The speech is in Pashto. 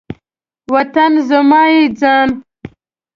وطن زما یی ځان